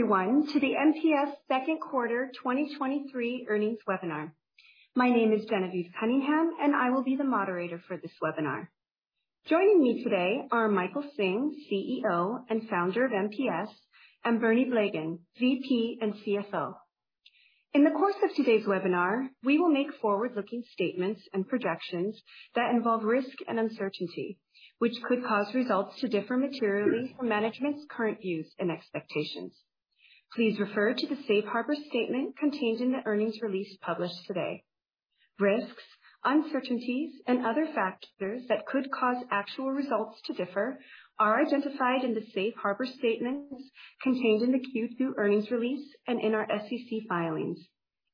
everyone to the MPS Second Quarter 2023 earnings webinar. My name is Genevieve Cunningham, I will be the moderator for this webinar. Joining me today are Michael Hsing, CEO and founder of MPS, and Bernie Blegen, VP and CFO. In the course of today's webinar, we will make forward-looking statements and projections that involve risk and uncertainty, which could cause results to differ materially from management's current views and expectations. Please refer to the safe harbor statement contained in the earnings release published today. Risks, uncertainties, and other factors that could cause actual results to differ are identified in the safe harbor statements contained in the Q2 earnings release and in our SEC filings,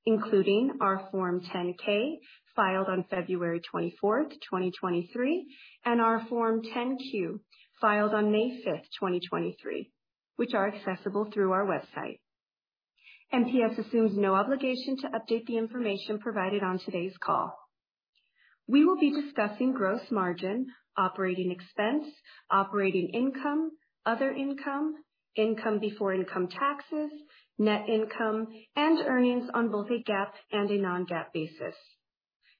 including our Form 10-K filed on February 24, 2023, and our Form 10-Q, filed on May 5, 2023, which are accessible through our website. MPS assumes no obligation to update the information provided on today's call. We will be discussing gross margin, operating expense, operating income, other income, income before income taxes, net income, and earnings on both a GAAP and a non-GAAP basis.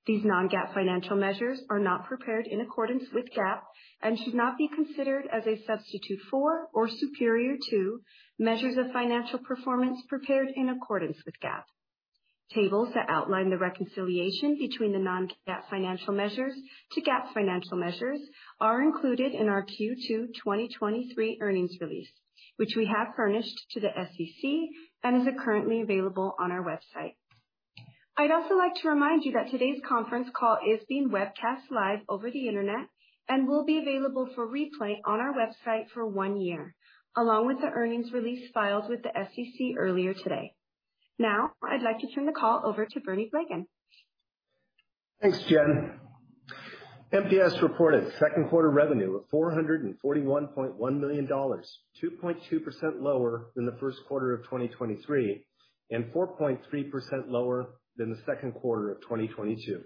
These non-GAAP financial measures are not prepared in accordance with GAAP and should not be considered as a substitute for or superior to measures of financial performance prepared in accordance with GAAP. Tables that outline the reconciliation between the non-GAAP financial measures to GAAP's financial measures are included in our Q2 2023 earnings release, which we have furnished to the SEC and is currently available on our website. I'd also like to remind you that today's conference call is being webcast live over the Internet and will be available for replay on our website for 1 year, along with the earnings release filed with the SEC earlier today. Now, I'd like to turn the call over to Bernie Blegen. Thanks, Jen. MPS reported second quarter revenue of $441.1 million, 2.2% lower than the first quarter of 2023, and 4.3% lower than the second quarter of 2022.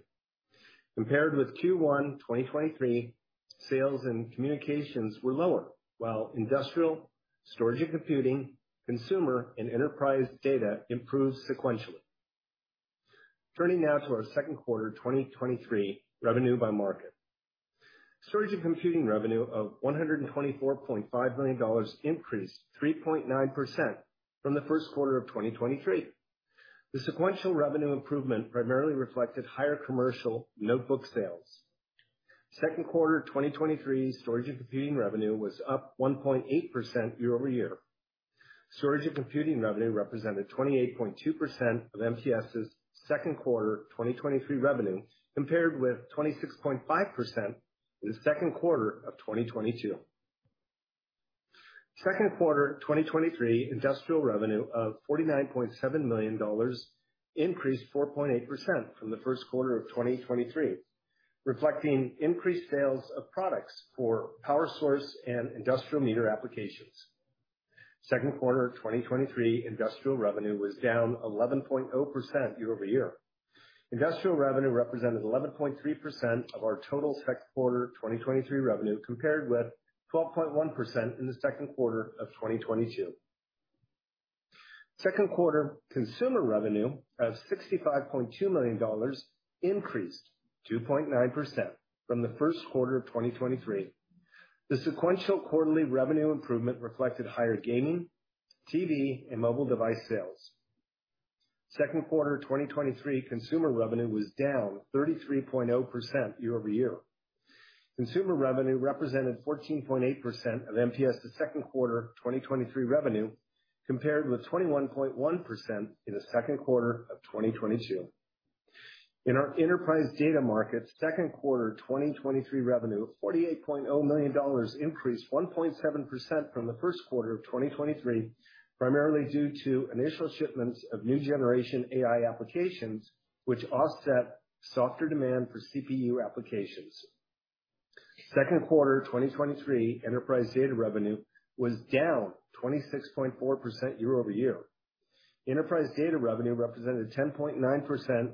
Compared with Q1 2023, sales and communications were lower, while industrial, storage and computing, consumer, and enterprise data improved sequentially. Turning now to our second quarter 2023 revenue by market. Storage and computing revenue of $124.5 million increased 3.9% from the first quarter of 2023. The sequential revenue improvement primarily reflected higher commercial notebook sales. Second quarter 2023 storage and computing revenue was up 1.8% year-over-year. Storage and computing revenue represented 28.2% of MPS's second quarter 2023 revenue, compared with 26.5% in the second quarter of 2022. Second quarter 2023 industrial revenue of $49.7 million increased 4.8% from the first quarter of 2023, reflecting increased sales of products for power source and industrial meter applications. Second quarter of 2023, industrial revenue was down 11.0% year-over-year. Industrial revenue represented 11.3% of our total second quarter 2023 revenue, compared with 12.1% in the second quarter of 2022. Second quarter consumer revenue of $65.2 million increased 2.9% from the first quarter of 2023. The sequential quarterly revenue improvement reflected higher gaming, TV, and mobile device sales. Second quarter 2023, consumer revenue was down 33.0% year-over-year. Consumer revenue represented 14.8% of MPS's second quarter 2023 revenue, compared with 21.1% in the second quarter of 2022. In our enterprise data market, second quarter 2023 revenue of $48.0 million increased 1.7% from the first quarter of 2023, primarily due to initial shipments of new generation AI applications, which offset softer demand for CPU applications. Second quarter 2023, enterprise data revenue was down 26.4% year-over-year. Enterprise data revenue represented 10.9%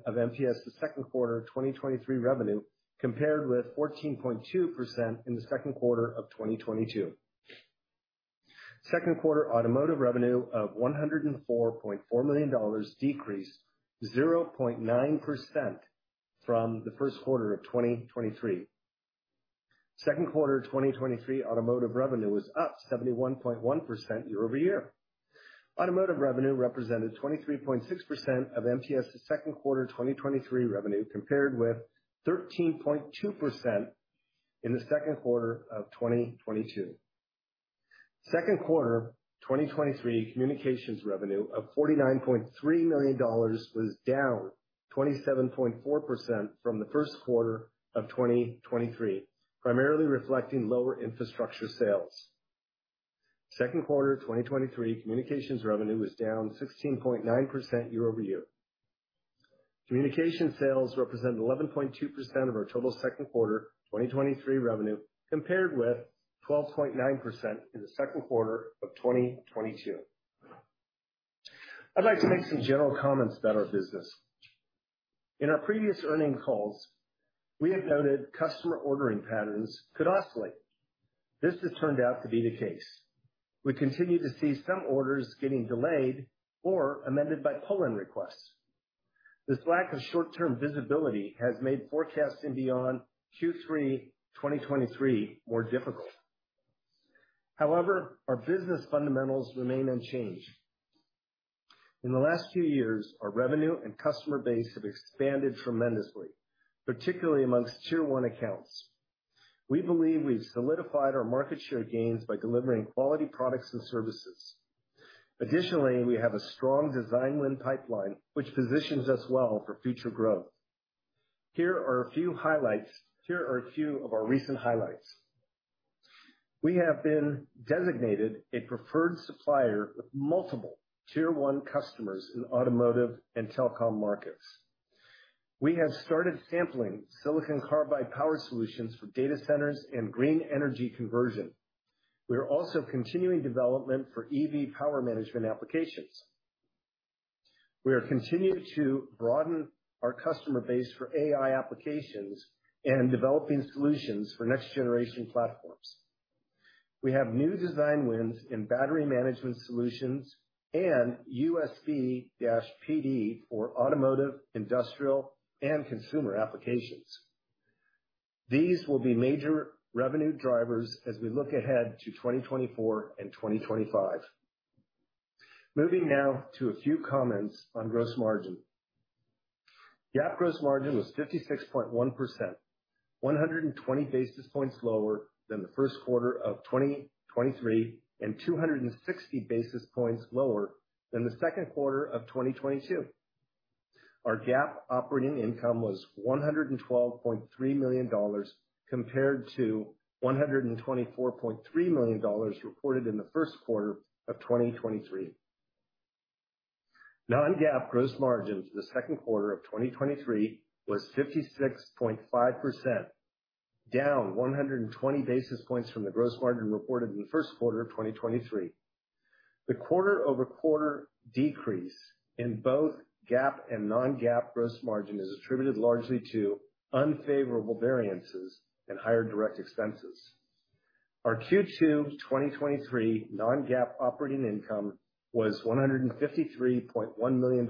of MPS's second quarter 2023 revenue, compared with 14.2% in the second quarter of 2022. Second quarter automotive revenue of $104.4 million decreased 0.9% from the first quarter of 2023. Second quarter 2023, automotive revenue was up 71.1% year-over-year. Automotive revenue represented 23.6% of MPS's second quarter 2023 revenue, compared with 13.2% in the second quarter of 2022. Second quarter 2023, communications revenue of $49.3 million was down 27.4% from the first quarter of 2023, primarily reflecting lower infrastructure sales. Second quarter 2023, communications revenue was down 16.9% year-over-year. Communication sales represent 11.2% of our total second quarter 2023 revenue, compared with 12.9% in the second quarter of 2022. I'd like to make some general comments about our business. In our previous earnings calls, we have noted customer ordering patterns could oscillate. This has turned out to be the case. We continue to see some orders getting delayed or amended by pull-in requests. This lack of short-term visibility has made forecasting beyond Q3 2023 more difficult. However, our business fundamentals remain unchanged. In the last few years, our revenue and customer base have expanded tremendously, particularly amongst Tier 1 accounts. We believe we've solidified our market share gains by delivering quality products and services. Additionally, we have a strong design win pipeline, which positions us well for future growth. Here are a few of our recent highlights: We have been designated a preferred supplier with multiple Tier 1 customers in automotive and telecom markets. We have started sampling silicon carbide power solutions for data centers and green energy conversion. We are also continuing development for EV power management applications. We are continuing to broaden our customer base for AI applications and developing solutions for next generation platforms. We have new design wins in battery management solutions and USB-PD for automotive, industrial, and consumer applications. These will be major revenue drivers as we look ahead to 2024 and 2025. Moving now to a few comments on gross margin. GAAP gross margin was 56.1%, 120 basis points lower than the first quarter of 2023, and 260 basis points lower than the second quarter of 2022. Our GAAP operating income was $112.3 million, compared to $124.3 million reported in the first quarter of 2023. Non-GAAP gross margin for the second quarter of 2023 was 56.5%, down 120 basis points from the gross margin reported in the first quarter of 2023. The quarter-over-quarter decrease in both GAAP and non-GAAP gross margin is attributed largely to unfavorable variances and higher direct expenses. Our Q2 2023 non-GAAP operating income was $153.1 million,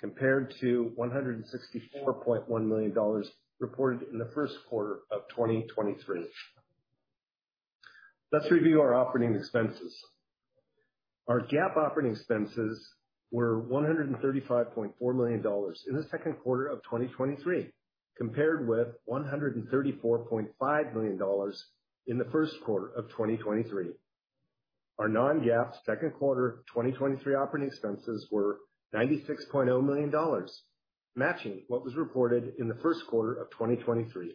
compared to $164.1 million reported in the first quarter of 2023. Let's review our operating expenses. Our GAAP operating expenses were $135.4 million in the second quarter of 2023, compared with $134.5 million in the first quarter of 2023. Our non-GAAP second quarter 2023 operating expenses were $96.0 million, matching what was reported in the first quarter of 2023.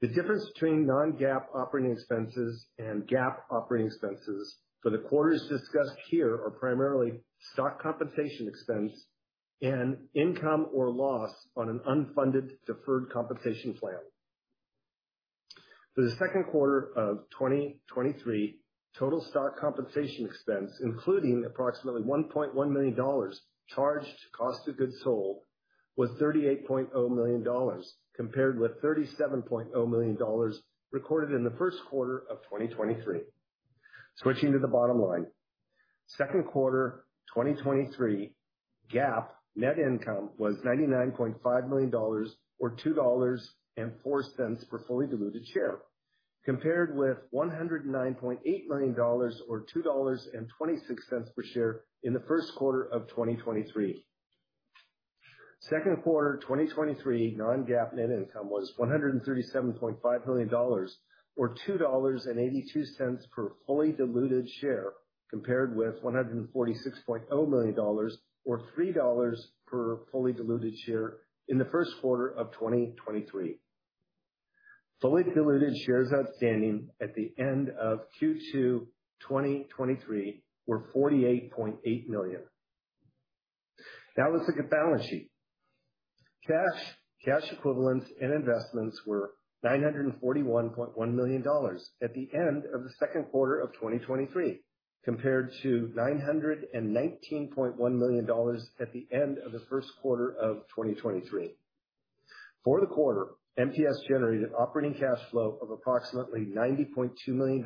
The difference between non-GAAP operating expenses and GAAP operating expenses for the quarters discussed here are primarily stock compensation expense and income or loss on an unfunded, deferred compensation plan. For the second quarter of 2023, total stock compensation expense, including approximately $1.1 million, charged to cost of goods sold, was $38.0 million, compared with $37.0 million recorded in the first quarter of 2023. Switching to the bottom line, second quarter 2023 GAAP net income was $99.5 million or $2.04 per fully diluted share, compared with $109.8 million or $2.26 per share in the first quarter of 2023. Second quarter 2023 non-GAAP net income was $137.5 million, or $2.82 per fully diluted share, compared with $146.0 million, or $3 per fully diluted share in the first quarter of 2023. Fully diluted shares outstanding at the end of Q2 2023 were 48.8 million. Let's look at balance sheet. Cash, cash equivalents, and investments were $941.1 million at the end of the second quarter of 2023, compared to $919.1 million at the end of the first quarter of 2023. For the quarter, MPS generated operating cash flow of approximately $90.2 million,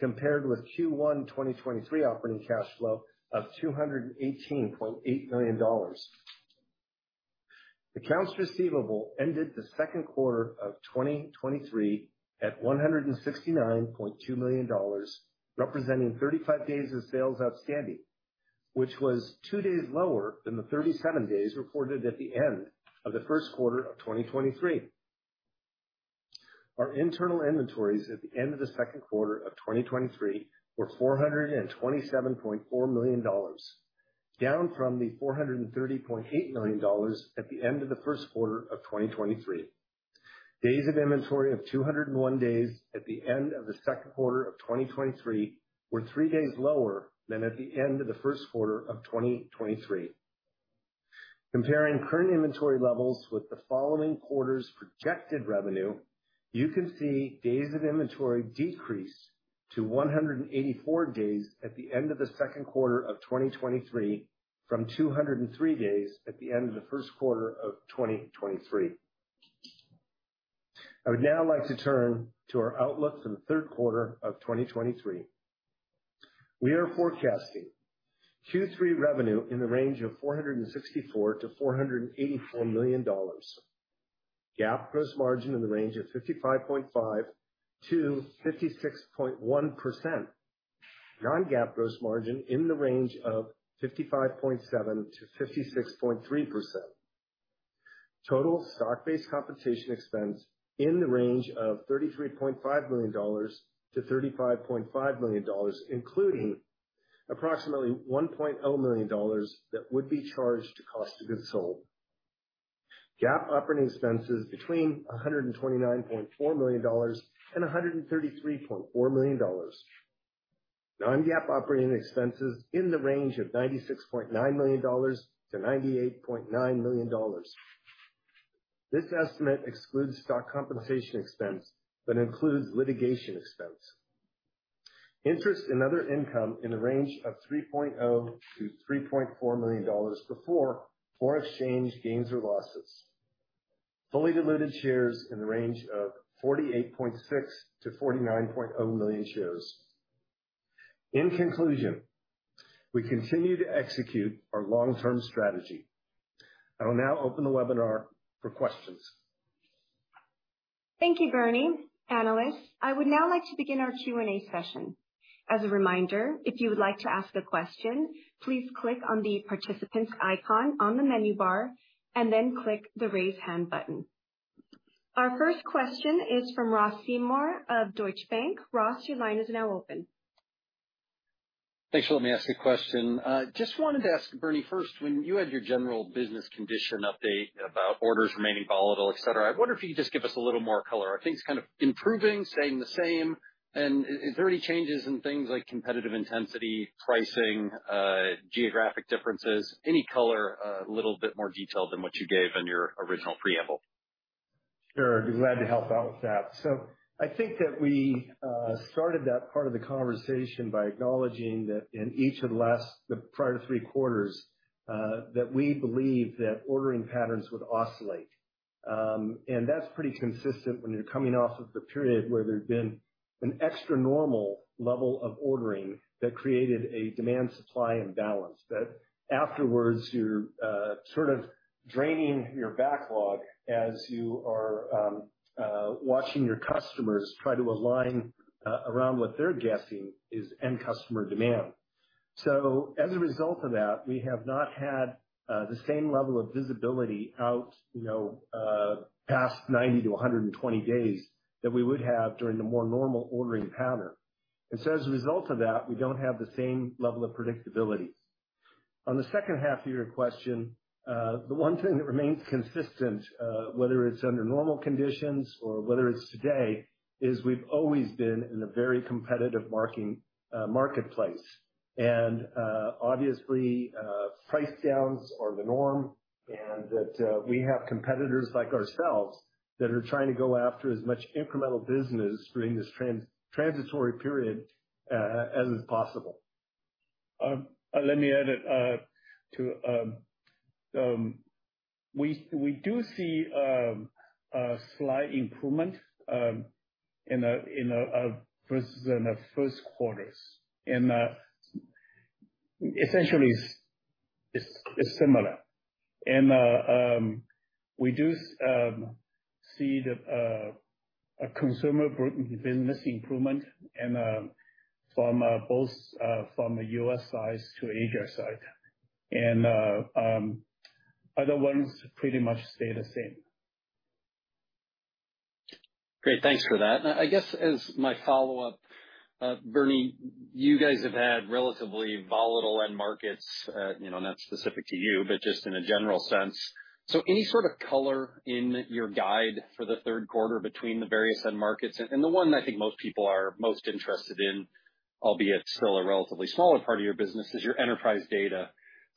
compared with Q1 2023 operating cash flow of $218.8 million. Accounts receivable ended the second quarter of 2023 at $169.2 million, representing 35 days of sales outstanding, which was 2 days lower than the 37 days reported at the end of the first quarter of 2023. Our internal inventories at the end of the second quarter of 2023 were $427.4 million, down from the $430.8 million at the end of the first quarter of 2023. Days of inventory of 201 days at the end of the second quarter of 2023 were 3 days lower than at the end of the first quarter of 2023. Comparing current inventory levels with the following quarter's projected revenue, you can see days of inventory decrease to 184 days at the end of the second quarter of 2023, from 203 days at the end of the first quarter of 2023. I would now like to turn to our outlook for the third quarter of 2023. We are forecasting Q3 revenue in the range of $464 million-$484 million. GAAP gross margin in the range of 55.5%-56.1%. Non-GAAP gross margin in the range of 55.7%-56.3%. Total stock-based compensation expense in the range of $33.5 million-$35.5 million, including approximately $1.0 million that would be charged to cost of goods sold. GAAP operating expenses between $129.4 million and $133.4 million. Non-GAAP operating expenses in the range of $96.9 million-$98.9 million. This estimate excludes stock compensation expense, but includes litigation expense. Interest and other income in the range of $3.0 million-$3.4 million before foreign exchange gains or losses. Fully diluted shares in the range of 48.6 million-49.0 million shares. In conclusion, we continue to execute our long-term strategy. I will now open the webinar for questions. Thank you, Bernie. Analysts, I would now like to begin our Q&A session. As a reminder, if you would like to ask a question, please click on the participant's icon on the menu bar and then click the Raise Hand button. Our first question is from Ross Seymore of Deutsche Bank. Ross, your line is now open. Thanks for letting me ask a question. Just wanted to ask Bernie, first, when you had your general business condition update about orders remaining volatile, et cetera, I wonder if you could just give us a little more color. Are things kind of improving, staying the same? Is there any changes in things like competitive intensity, pricing, geographic differences? Any color, a little bit more detailed than what you gave in your original preamble. Sure. Be glad to help out with that. I think that we started that part of the conversation by acknowledging that in each of the last, the prior 3 quarters, that we believe that ordering patterns would oscillate. That's pretty consistent when you're coming off of the period where there's been an extra normal level of ordering that created a demand, supply and balance, that afterwards, you're sort of draining your backlog as you are watching your customers try to align around what they're guessing is end customer demand. As a result of that, we have not had the same level of visibility out, you know, past 90 to 120 days than we would have during the more normal ordering pattern. As a result of that, we don't have the same level of predictability. On the second half of your question, the one thing that remains consistent, whether it's under normal conditions or whether it's today, is we've always been in a very competitive market, marketplace. Obviously, price downs are the norm, and that, we have competitors like ourselves that are trying to go after as much incremental business during this trans-transitory period, as is possible. Let me add to. We do see a slight improvement in a, in a versus in the first quarters, and essentially it's, it's similar. We do see the a consumer business improvement and from both from the US side to Asia side. Other ones pretty much stay the same. Great. Thanks for that. I guess as my follow-up, Bernie, you guys have had relatively volatile end markets, you know, not specific to you, but just in a general sense. Any sort of color in your guide for the third quarter between the various end markets? The one I think most people are most interested in, albeit still a relatively smaller part of your business, is your enterprise data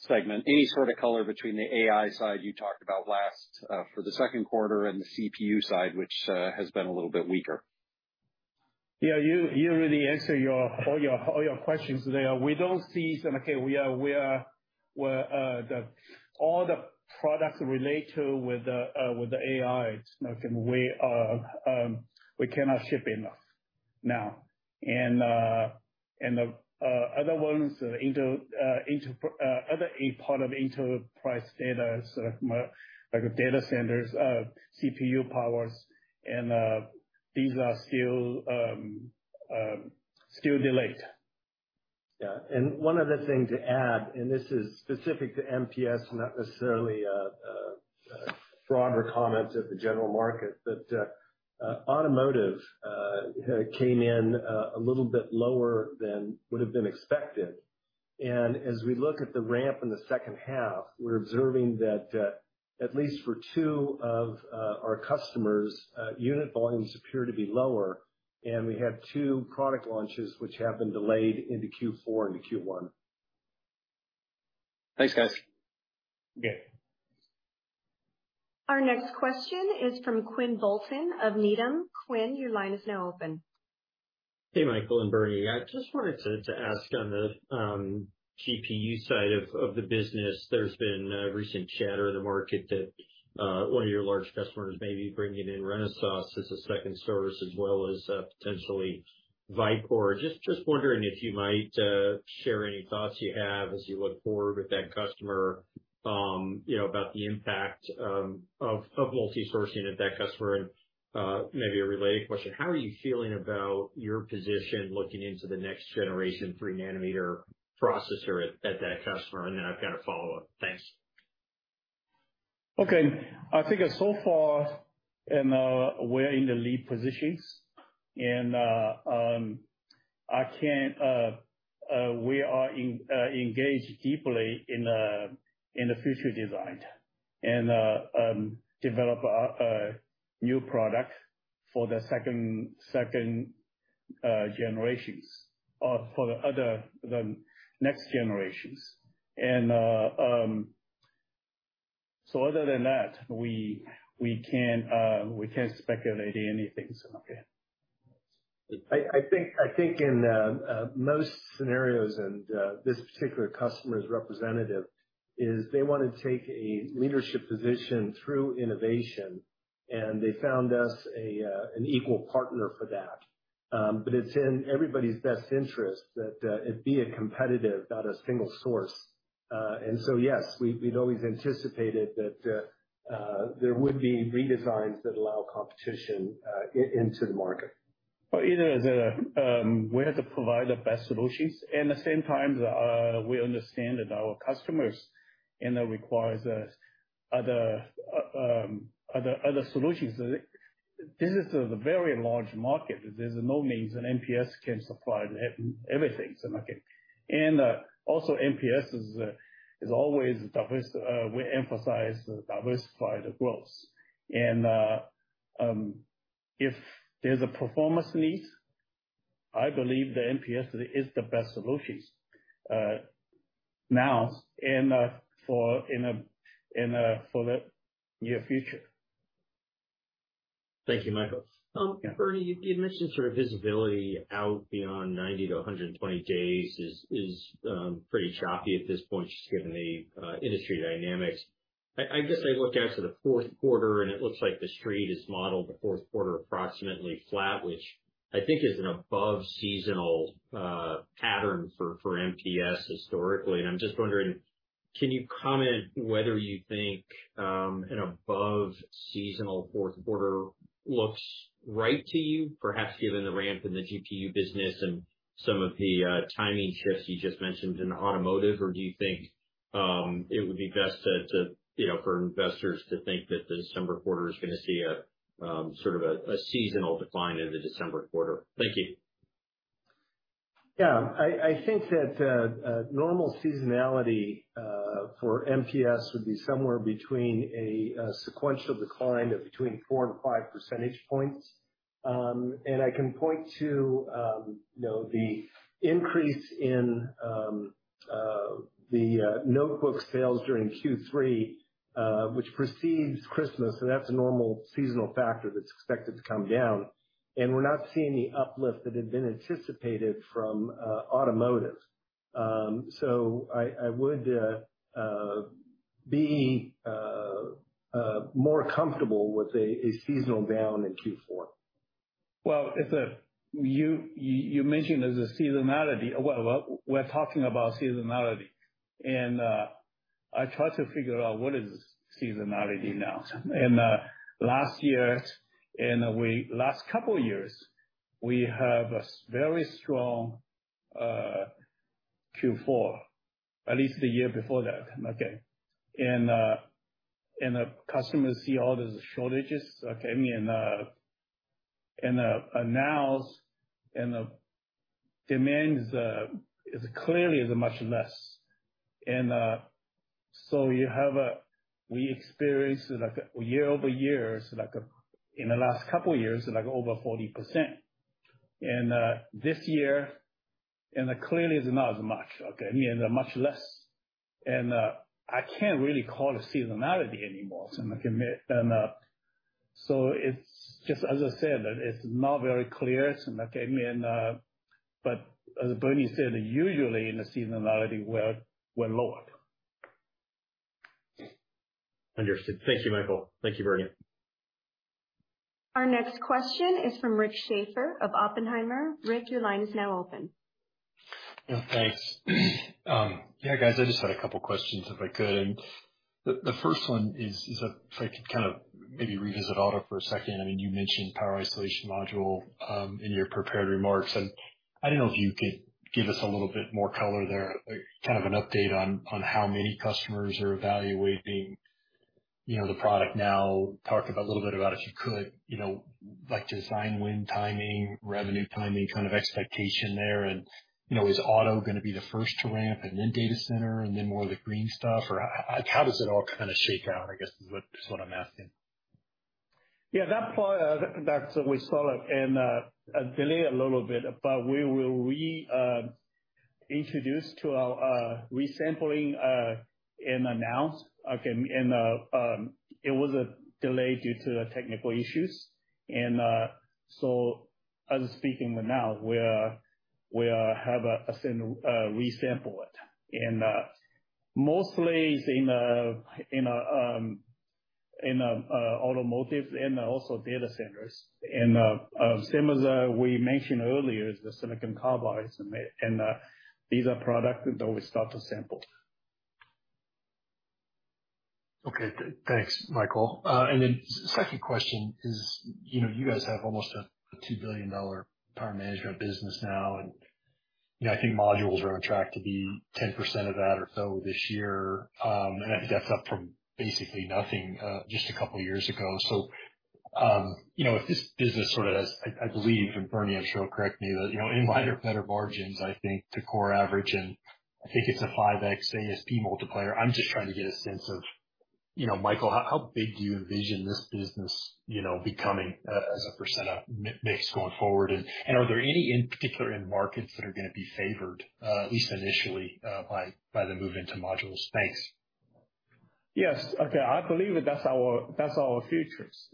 segment. Any sort of color between the AI side you talked about last for the second quarter, and the CPU side, which has been a little bit weaker? Yeah, you, you really answered all your, all your questions there. We don't see some... Okay, we're the, all the products related with the AI, and we are, we cannot ship enough now. The other ones, a part of enterprise data, so like data centers, CPU powers, and these are still delayed. Yeah. One other thing to add, and this is specific to MPS, not necessarily a broader comment of the general market, but automotive came in a little bit lower than would have been expected. As we look at the ramp in the second half, we're observing that at least for two of our customers, unit volumes appear to be lower, and we have two product launches which have been delayed into Q4 and Q1. Thanks, guys. Okay. Our next question is from Quinn Bolton of Needham. Quinn, your line is now open. Hey, Michael and Bernie. I just wanted to ask on the GPU side of the business, there's been recent chatter in the market that one of your large customers may be bringing in Renesas as a second source as well as potentially Vicor. Just wondering if you might share any thoughts you have as you look forward with that customer, you know, about the impact of multisourcing of that customer. Maybe a related question: how are you feeling about your position looking into the next generation 3-nanometer processor at that customer? Then I've got a follow-up. Thanks. Okay. I think so far, and we're in the lead positions, and I can't, we are engaged deeply in the, in the future design and develop a new product for the second, second generations, or for the other, the next generations. Other than that, we can't speculate anything, so okay. I, I think, I think in most scenarios, and this particular customer is representative, is they want to take a leadership position through innovation, and they found us an equal partner for that. It's in everybody's best interest that it be a competitive, not a single source. Yes, we've, we've always anticipated that there would be redesigns that allow competition into the market. you know, the, we have to provide the best solutions, at the same time, we understand that our customers, you know, requires, other, other, other solutions. This is a very large market. There's no means an MPS can supply everything, so, okay. Also, MPS is always diverse. We emphasize diversified growth. If there's a performance need, I believe the MPS is the best solutions, now and, for the near future. Thank you, Michael. Yeah. Bernie, you mentioned sort of visibility out beyond 90-120 days is, is, pretty choppy at this point, just given the industry dynamics. I, I guess I look out to the fourth quarter, and it looks like the Street has modeled the fourth quarter approximately flat, which I think is an above-seasonal pattern for MPS historically. And I'm just wondering, can you comment whether you think an above-seasonal fourth quarter looks right to you, perhaps given the ramp in the GPU business and some of the timing shifts you just mentioned in automotive? Or do you think it would be best to, to, you know, for investors to think that the December quarter is going to see a, sort of a, a seasonal decline in the December quarter? Thank you. Yeah. I, I think that normal seasonality for MPS would be somewhere between a sequential decline of between 4 to 5 percentage points. I can point to, you know, the increase in the notebook sales during Q3, which precedes Christmas, so that's a normal seasonal factor that's expected to come down, and we're not seeing the uplift that had been anticipated from automotive. I, I would be more comfortable with a seasonal down in Q4. Well, if you, you, you mentioned there's a seasonality. Well, we're talking about seasonality, and I try to figure out what is seasonality now. Last year, and we last couple years, we have a very strong Q4, at least the year before that, okay? The customers see all the shortages, okay, now, the demand is clearly is much less. So you have a we experienced, like, a year-over-year, so like in the last couple of years, like over 40%. This year, and clearly is not as much, okay? Much less. I can't really call it seasonality anymore, and so it's just as I said, it's not very clear, okay, but as Bernie said, usually in the seasonality, we're, we're lower. Understood. Thank you, Michael. Thank you, Bernie. Our next question is from Rick Schafer of Oppenheimer. Rick, your line is now open. Yeah, thanks. Yeah, guys, I just had a couple questions, if I could, and the, the first one is, is, if I could kind of maybe revisit auto for a second. I mean, you mentioned power isolation module in your prepared remarks, and I don't know if you could give us a little bit more color there, like, kind of an update on, on how many customers are evaluating, you know, the product now. Talk a little bit about it, if you could, you know, like design win timing, revenue timing, kind of expectation there? And, you know, is auto going to be the first to ramp and then data center and then more of the green stuff? Or how does it all kind of shake out, I guess, is what, is what I'm asking. Yeah, that part, that we saw it and delay a little bit, but we will reintroduce to our resampling and announce, okay. It was a delay due to technical issues. As I'm speaking now, we have resample it. Mostly in automotives and also data centers. Same as we mentioned earlier, is the silicon carbides, and these are products that we start to sample. Okay. thanks, Michael. Second question is, you know, you guys have almost a $2 billion power management business now, you know, I think modules are on track to be 10% of that or so this year. I think that's up from basically nothing, just a couple of years ago. You know, if this business sort of has, I, I believe, Bernie will sure correct me, that, you know, in line with better margins, I think, the core average, I think it's a 5x ASP multiplier. I'm just trying to get a sense of, you know, Michael, how, how big do you envision this business, you know, becoming, as a percent of mix going forward? Are there any in particular end markets that are going to be favored, at least initially, by, by the move into modules? Thanks. Yes. Okay, I believe that's our, that's our futures.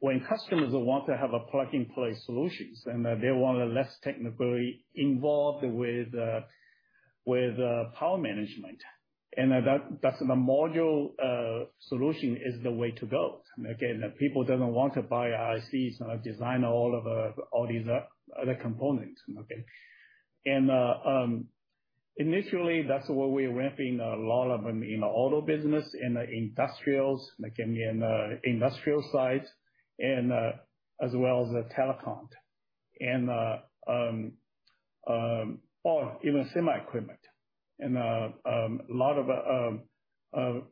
When customers want to have a plug-and-play solutions, and they want less technically involved with, with, power management, and that, that's the module, solution is the way to go. Okay, and people doesn't want to buy ICs and design all of the, all these, other components, okay? Initially, that's where we're ramping a lot of them in the auto business, in the industrials, again, in the industrial side, and, as well as the telecom. Or even semi equipment. A lot of,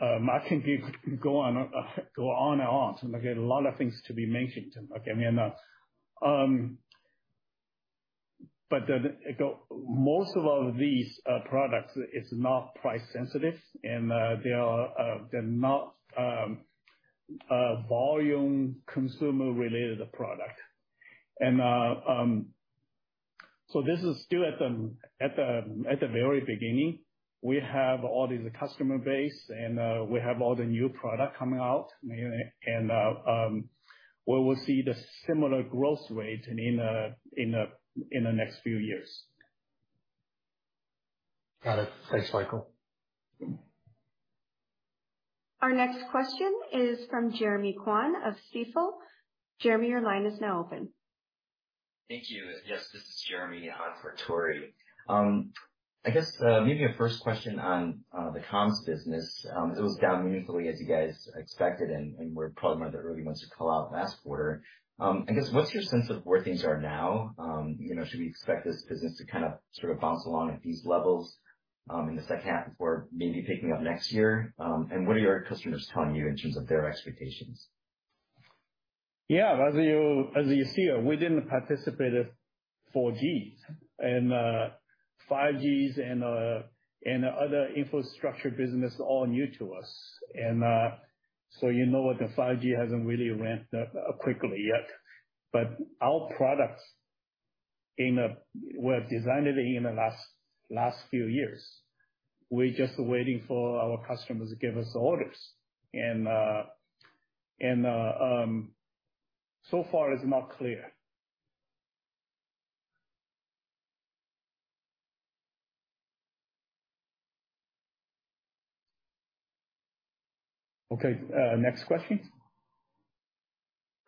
I think you could go on, go on and on, and again, a lot of things to be mentioned. Okay, I mean, the most of our these products is not price sensitive, and they are, they're not, volume consumer-related product. So this is still at the, at the, at the very beginning. We have all these customer base, and we have all the new product coming out. We will see the similar growth rates in the, in the, in the next few years. Got it. Thanks, Michael. Our next question is from Jeremy Kwan of Stifel. Jeremy, your line is now open. Thank you. Yes, this is Jeremy on for Tori. I guess, maybe a first question on the comms business. It was down meaningfully as you guys expected, and we're probably not there really much to call out last quarter. I guess, what's your sense of where things are now? You know, should we expect this business to kind of, sort of bounce along at these levels, in the second half or maybe picking up next year? What are your customers telling you in terms of their expectations? Yeah, as you, as you see, we didn't participate at 4G. 5Gs and other infrastructure business are all new to us. So you know that 5G hasn't really ramped up quickly yet. Our products in the, were designed in the last, last few years. We're just waiting for our customers to give us orders. So far, it's not clear. Okay, next question?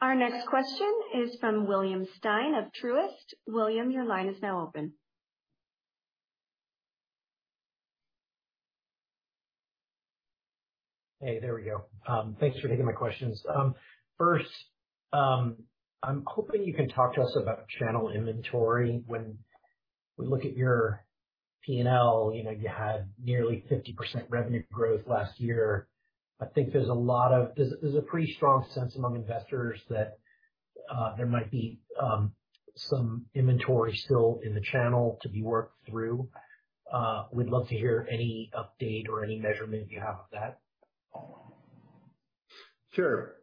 Our next question is from William Stein of Truist. William, your line is now open. Hey, there we go. Thanks for taking my questions. First, I'm hoping you can talk to us about channel inventory. When we look at your P&L, you know, you had nearly 50% revenue growth last year. I think there's a pretty strong sense among investors that there might be some inventory still in the channel to be worked through. We'd love to hear any update or any measurement you have of that. Sure.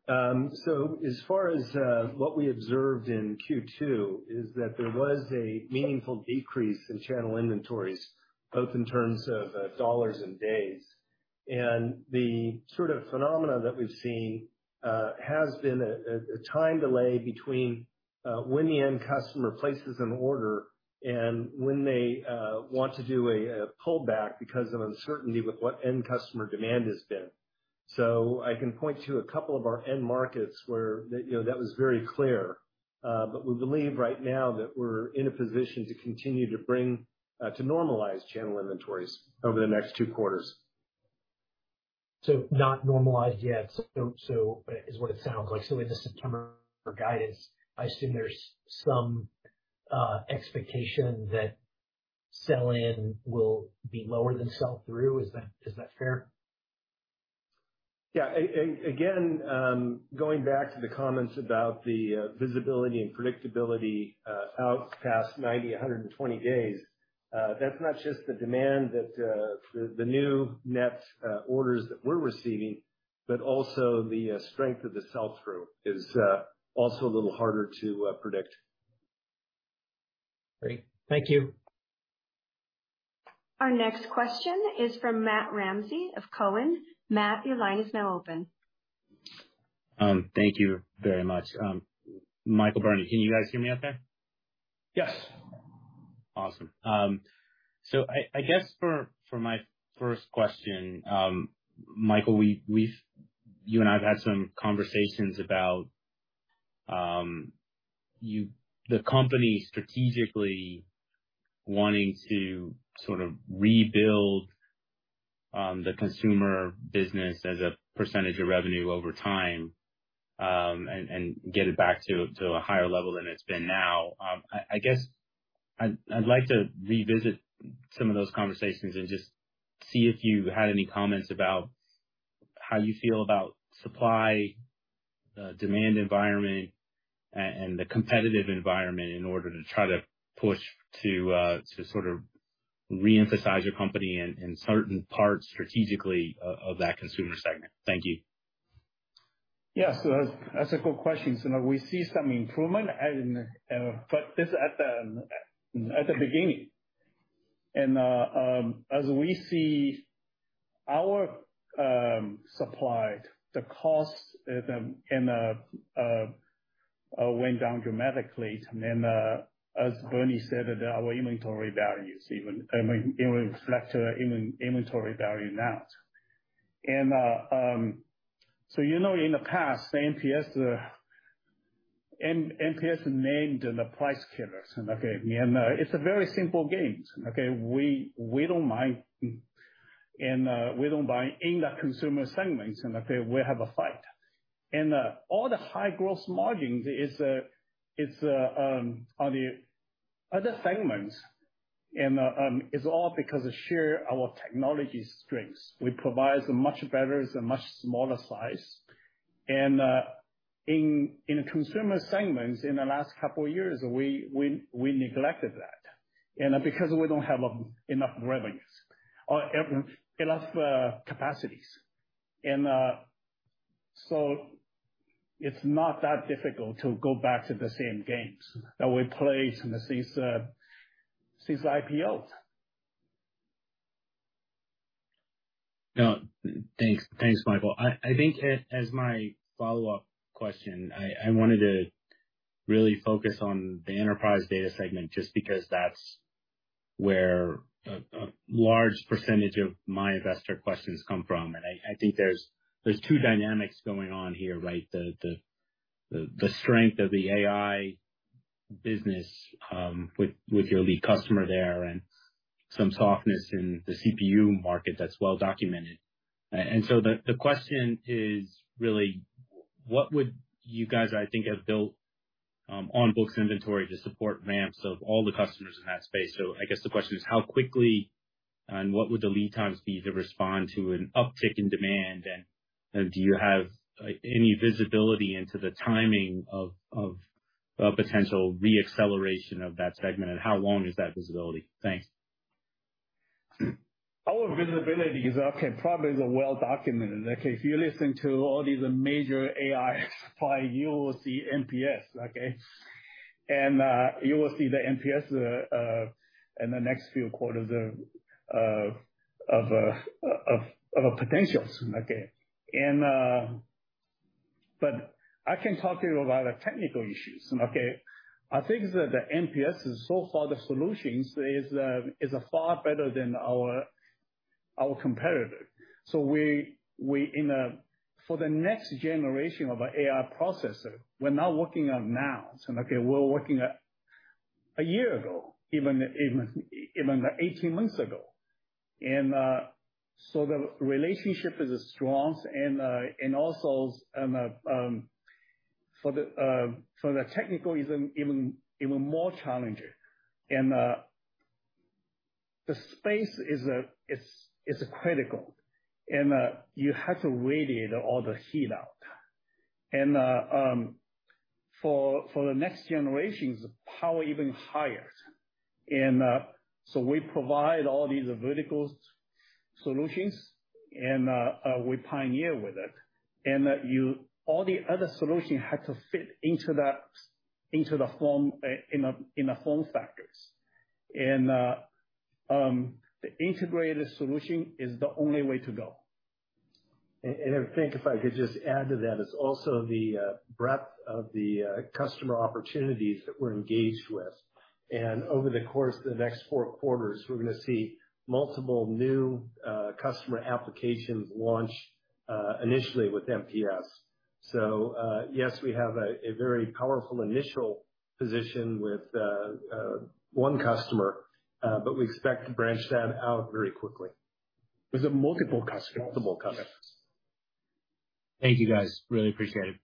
What we observed in Q2 is that there was a meaningful decrease in channel inventories, both in terms of $ and days. The sort of phenomena that we've seen has been a time delay between when the end customer places an order and when they want to do a pullback because of uncertainty with what end customer demand has been. I can point to a couple of our end markets where that, you know, that was very clear. We believe right now that we're in a position to continue to bring to normalize channel inventories over the next 2 quarters. Not normalized yet, so, so is what it sounds like. In the September guidance, I assume there's some expectation that sell in will be lower than sell through, is that, is that fair? Yeah. Again, going back to the comments about the visibility and predictability out past 90, 120 days, that's not just the demand that the new net orders that we're receiving, but also the strength of the sell through is also a little harder to predict. Great. Thank you. Our next question is from Matthew Ramsay, of Cowen. Matt, your line is now open. Thank you very much. Michael, Bernie, can you guys hear me okay? Yes. Awesome. I, I guess for, for my first question, Michael, we, we've, you and I have had some conversations about, you, the company strategically wanting to sort of rebuild, the consumer business as a percentage of revenue over time, and, and get it back to, to a higher level than it's been now. I, I guess I'd, I'd like to revisit some of those conversations and just see if you had any comments about how you feel about supply, the demand environment, and the competitive environment in order to try to push to, to sort of reemphasize your company in, in certain parts, strategically, of that consumer segment. Thank you. Yes. That's, that's a good question. Now we see some improvement and, but it's at the, at, at the beginning. As we see our supply, the cost, the, and went down dramatically, and then, as Bernie said, our inventory values even, I mean, it reflect in inventory value now. So, you know, in the past, MPS, M-MPS named in the price killers, okay? It's a very simple game, okay? We, we don't mind and, we don't buy in the consumer segments, and okay, we have a fight. All the high growth margins is, it's on the other segments, and it's all because of share our technology strengths. We provide a much better and much smaller size. In consumer segments, in the last couple of years, we neglected that. Because we don't have enough revenues or enough capacities. So it's not that difficult to go back to the same games that we played since IPO. Yeah. Thanks. Thanks, Michael. I, I think as my follow-up question, I, I wanted to really focus on the enterprise data segment, just because that's where a, a large percentage of my investor questions come from. I, I think there's, there's two dynamics going on here, right? The, the, the, the strength of the AI business, with, with your lead customer there, and some softness in the CPU market that's well documented. So the, the question is really, what would you guys, I think, have built, on books inventory to support ramps of all the customers in that space? So I guess the question is: how quickly, and what would the lead times be to respond to an uptick in demand? Do you have, any visibility into the timing of, of a potential re-acceleration of that segment? How long is that visibility? Thanks. Our visibility is, okay, probably is well documented, okay. If you listen to all these major AI supply, you will see MPS, okay. You will see the MPS in the next few quarters of potentials, okay. I can talk to you about the technical issues, okay. I think that the MPS is so far, the solutions is far better than our competitor. We for the next generation of AI processor, we're not working on now. Okay, we're working a year ago, even 18 months ago. The relationship is strong and also for the technical, is an even more challenging. The space is critical. You have to radiate all the heat out. For, for the next generation, the power even higher. We provide all these vertical solutions, we pioneer with it. You... all the other solutions had to fit into the, into the form, in the, in the form factors. The integrated solution is the only way to go. I think if I could just add to that, it's also the breadth of the customer opportunities that we're engaged with. Over the course of the next four quarters, we're gonna see multiple new customer applications launch initially with MPS. Yes, we have a very powerful initial position with one customer, but we expect to branch that out very quickly. With multiple customers. Multiple customers. Thank you, guys. Really appreciate it.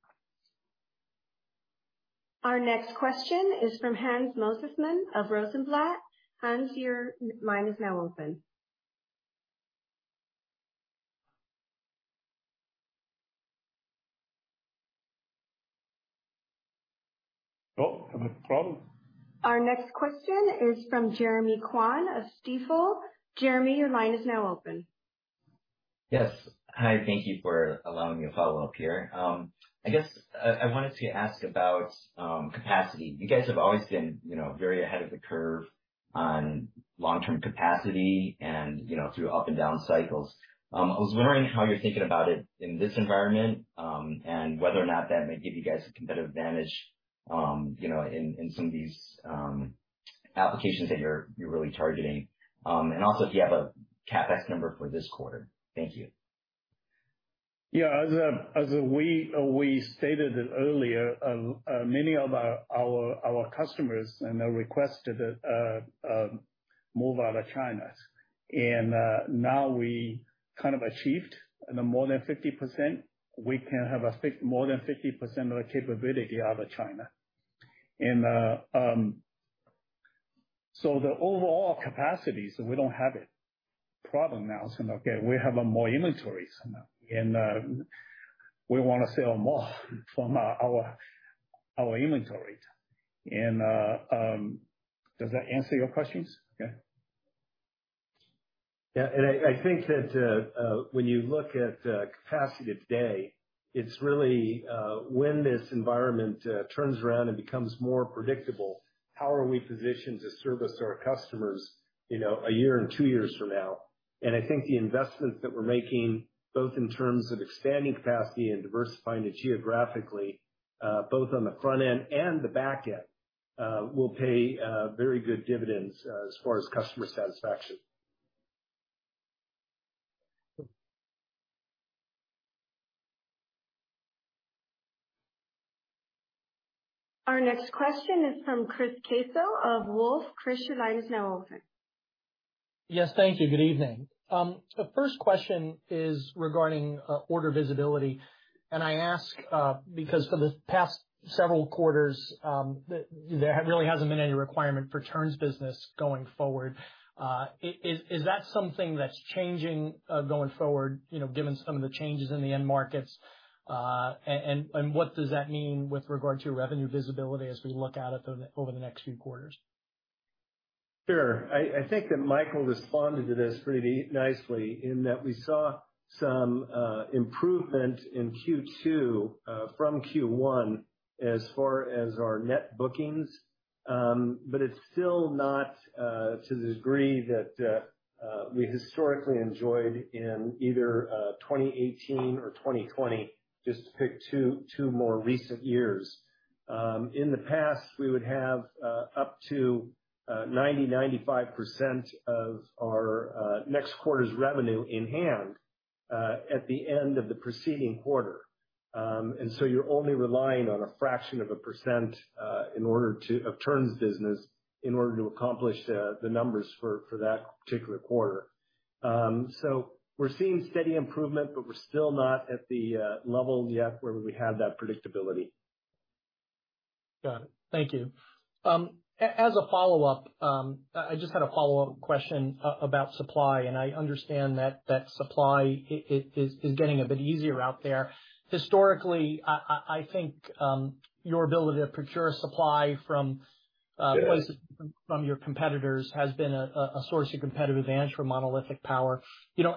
Our next question is from Hans Mosesmann of Rosenblatt. Hans, your line is now open. Oh, I have a problem. Our next question is from Jeremy Kwan of Stifel. Jeremy, your line is now open. Yes. Hi, thank you for allowing me to follow up here. I guess I, I wanted to ask about capacity. You guys have always been, you know, very ahead of the curve on long-term capacity and, you know, through up and down cycles. I was wondering how you're thinking about it in this environment, and whether or not that may give you guys a competitive advantage, you know, in, in some of these applications that you're, you're really targeting, and also if you have a CapEx number for this quarter. Thank you. Yeah. As we, we stated earlier, many of our, our, our customers requested move out of China. Now we kind of achieved more than 50%. We can have a more than 50% of the capability out of China. The overall capacities, we don't have a problem now, okay? We have more inventories, and we want to sell more from our, our, our inventory. Does that answer your questions? Okay. Yeah. I, I think that when you look at capacity today, it's really when this environment turns around and becomes more predictable, how are we positioned to service our customers, you know, 1 year and 2 years from now? I think the investments that we're making, both in terms of expanding capacity and diversifying it geographically, both on the front end and the back end, will pay very good dividends as far as customer satisfaction. Our next question is from Chris Caso of Wolfe. Chris, your line is now open. Yes. Thank you. Good evening. The first question is regarding order visibility, and I ask because for the past several quarters, there really hasn't been any requirement for turns business going forward. Is that something that's changing going forward, you know, given some of the changes in the end markets? What does that mean with regard to revenue visibility as we look out over the next few quarters? Sure. I, I think that Michael responded to this pretty nicely in that we saw some improvement in Q2 from Q1 as far as our net bookings. It's still not to the degree that we historically enjoyed in either 2018 or 2020, just to pick two, two more recent years. In the past, we would have up to 90%, 95% of our next quarter's revenue in hand at the end of the preceding quarter. You're only relying on a fraction of a percent in order to... Of turns business, in order to accomplish the numbers for that particular quarter. We're seeing steady improvement, but we're still not at the level yet where we have that predictability. Got it. Thank you. As a follow-up, I just had a follow-up question about supply. I understand that, that supply is, is getting a bit easier out there. Historically, I, I, I think, your ability to procure supply from places from your competitors has been a source of competitive advantage for Monolithic Power. You know,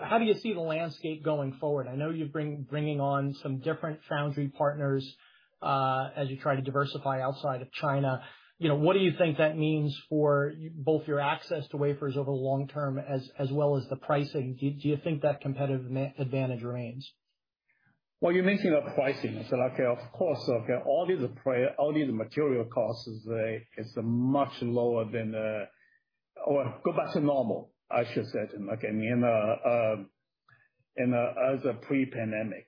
how do you see the landscape going forward? I know you're bringing on some different foundry partners, as you try to diversify outside of China. You know, what do you think that means for your both your access to wafers over the long term as, as well as the pricing? Do, do you think that competitive advantage remains? Well, you're mentioning about pricing. Like, of course, okay, all these material costs is much lower than the... or go back to normal, I should say, okay, as a pre-pandemic.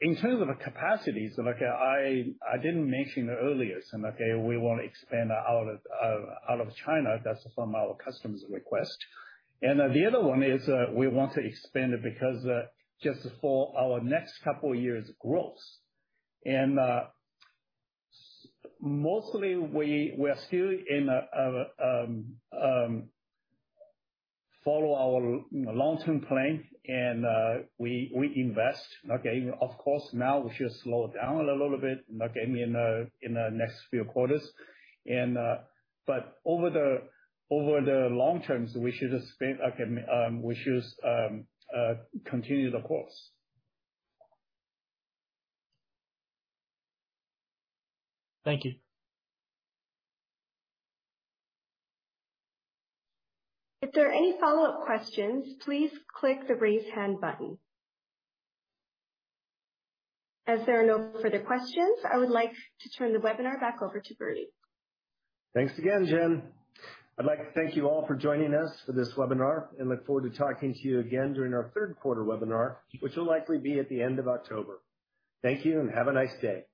In terms of the capacities, like I didn't mention earlier, okay, we want to expand out of China. That's from our customers' request. The other one is, we want to expand it because just for our next couple years' growth. Mostly we are still in a follow our long-term plan, and we invest, okay? Of course, now we should slow down a little bit, okay, in the next few quarters. Over the, over the long term, we should expand, okay, we should continue the course. Thank you. If there are any follow-up questions, please click the Raise Hand button. As there are no further questions, I would like to turn the webinar back over to Bernie. Thanks again, Jen. I'd like to thank you all for joining us for this webinar. Look forward to talking to you again during our third quarter webinar, which will likely be at the end of October. Thank you. Have a nice day.